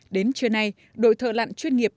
đến trưa nay đội thợ lặn chuyên nghiệp